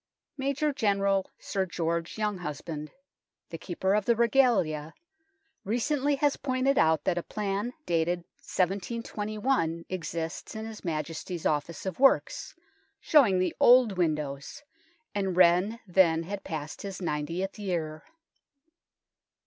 Major General Sir George Younghusband, the Keeper of the Regalia, recently has pointed out that a plan dated 1721 exists in his Majesty's Office of Works, showing the old windows, and Wren then had passed his ninetieth year.